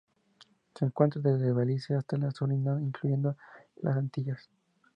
Se encuentra desde Belice hasta Surinam, incluyendo las Antillas.